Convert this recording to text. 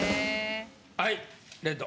はいレッド。